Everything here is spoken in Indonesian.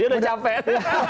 dia udah capek